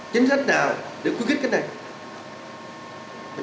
chính sách nào để quyết kích cái này